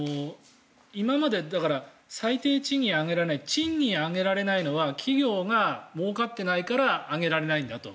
今まで、だから最低賃金が上がらない賃金が上げられないのは企業がもうかっていないから上げられないんだと。